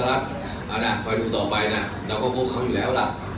รอสารัก